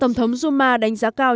tổng thống zuma đánh giá cao